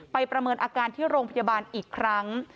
ประเมินอาการที่โรงพยาบาลอีกครั้ง